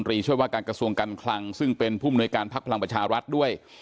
ช่วยว่าการกระทรวงการคลังซึ่งเป็นผู้มนวยการพักพลังประชารัฐด้วย